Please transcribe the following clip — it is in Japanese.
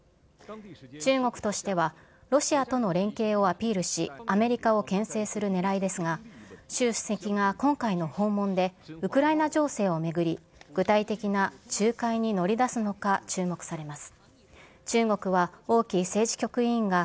中国としては、ロシアとの連携をアピールし、アメリカをけん制するねらいですが、習主席が今回の訪問でウクライナ情勢を巡り、具体的な仲介に乗り出すのか、注目されます。